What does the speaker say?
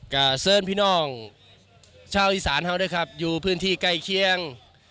ก็เชิญพี่น้องชาวอีสานเขาด้วยครับอยู่พื้นที่ใกล้เคียง